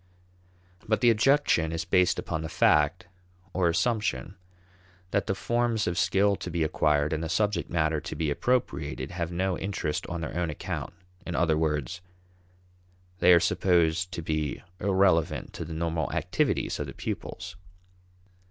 But the objection is based upon the fact or assumption that the forms of skill to be acquired and the subject matter to be appropriated have no interest on their own account: in other words, they are supposed to be irrelevant to the normal activities of the pupils.